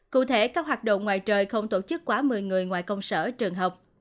cụ thể các hoạt động ngoài trời không tổ chức quá một mươi người ngoài công sở trường học